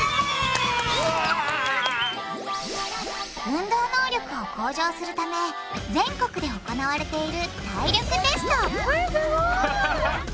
運動能力を向上するため全国で行われている体力テストこれすごい！